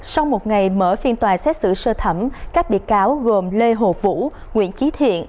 sau một ngày mở phiên tòa xét xử sơ thẩm các bị cáo gồm lê hồ vũ nguyễn trí thiện